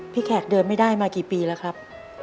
แขกเดินไม่ได้มากี่ปีแล้วครับ